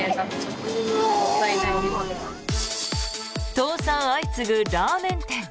倒産相次ぐラーメン店。